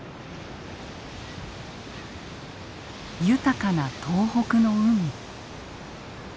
豊かな東北の海。